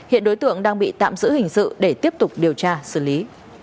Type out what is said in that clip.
hiện đối tượng đang bị tạm giữ hình sự để tiếp tục điều tra xử lý